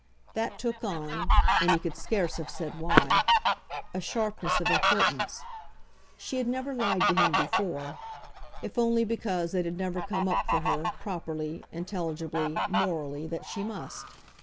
That took on and he could scarce have said why a sharpness of importance: she had never lied to him before if only because it had never come up for her, properly, intelligibly, morally, that she must.